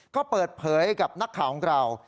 ก็เปิดเผยกับนักข่าวของเรา